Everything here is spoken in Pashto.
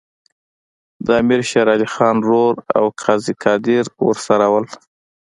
د امیر شېر علي خان ورور او قاضي قادر ورسره وو.